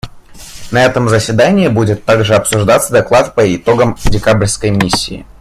На этом заседании будет также обсуждаться доклад по итогам декабрьской миссии.